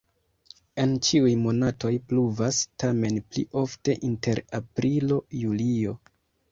En ĉiuj monatoj pluvas, tamen pli ofte inter aprilo-julio.